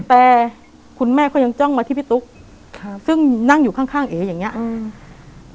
แต่คุณแม่ก็ยังจ้องมาที่พี่ตุ๊กครับซึ่งนั่งอยู่ข้างข้างเอ๋อย่างเงี้อืม